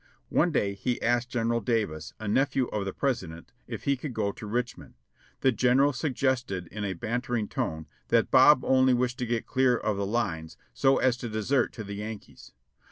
One day he asked General Davis, a nephew of the President, if he could go to Richmond. The General suggested in a bantering tone that Bob only wished to get clear of the lines so as to desert to the Yankees.